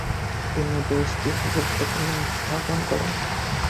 তিনি বেশ কিছু গুরুত্বপূর্ণ উদ্ভাবন করেন।